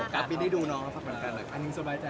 กรับพิมพ์ได้ดูน้องแล้วภักดีเหมือนกัน